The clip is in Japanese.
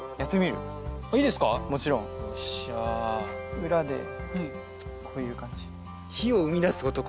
よっしゃーもちろん裏でこういう感じ